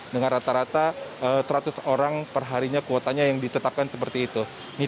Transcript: dengan rata rata seratus orang perharinya kuotanya yang ditetapkan seperti itu